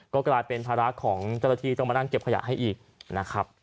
ก็กลายเป็นภาระของเจ้าหน้าที่ต้องมานั่งเก็บขยะให้อีกนะครับ